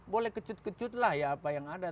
boleh kecut kecutlah ya apa yang ada